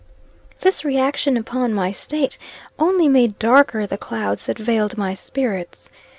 This reaction upon my state, only made darker the clouds that veiled my spirits.